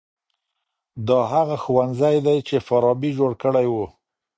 دا هغه ښوونځی دی چي فارابي جوړ کړی و.